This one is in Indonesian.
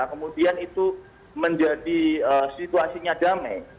kemudian itu menjadi situasinya damai